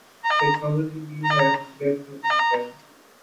Technology we have yet to invent.